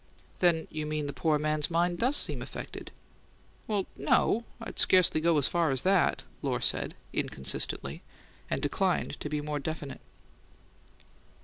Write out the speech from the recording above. "Then you mean the poor man's mind does seem affected?" "Why, no; I'd scarcely go as far as that," Lohr said, inconsistently, and declined to be more definite.